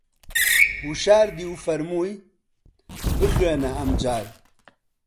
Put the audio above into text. وشاردی و فەرمووی: بخوێنە ئەمجار